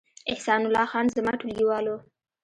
احسان الله خان زما ټولګیوال و